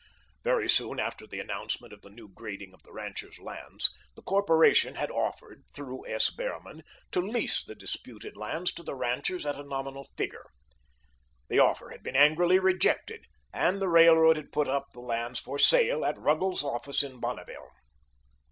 Very soon after the announcement of the new grading of the ranchers' lands, the corporation had offered, through S. Behrman, to lease the disputed lands to the ranchers at a nominal figure. The offer had been angrily rejected, and the Railroad had put up the lands for sale at Ruggles's office in Bonneville.